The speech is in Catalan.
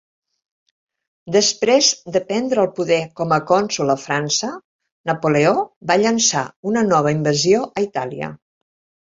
Després de prendre el poder com a cònsol a França, Napoleó va llançar una nova invasió a Itàlia.